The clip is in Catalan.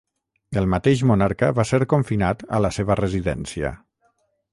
El mateix monarca va ser confinat a la seva residència.